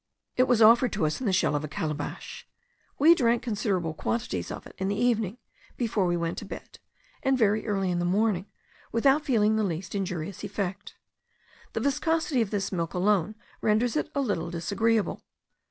It was offered to us in the shell of a calabash. We drank considerable quantities of it in the evening before we went to bed, and very early in the morning, without feeling the least injurious effect. The viscosity of this milk alone renders it a little disagreeable.